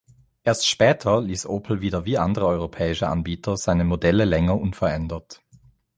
Erst später ließ Opel wieder wie andere europäische Anbieter seine Modelle länger unverändert.